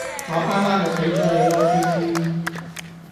我啱啱咪畀咗你囉豬豬